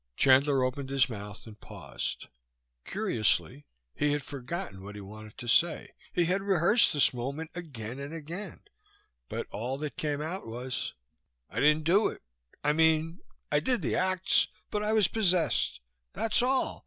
Chandler opened his mouth, and paused. Curiously, he had forgotten what he wanted to say. He had rehearsed this moment again and again; but all that came out was: "I didn't do it. I mean, I did the acts, but I was possessed. That's all.